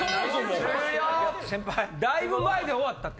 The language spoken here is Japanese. だいぶ前で終わったって。